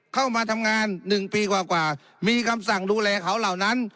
เข้ามาทำงาน๑ปีกว่ามีคำสั่งดูแลเขาเหล่านั้น